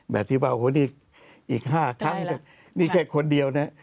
แบบที่ว่าโอ้โหนี่อีก๕ครั้งนี่แค่คนเดียวนะ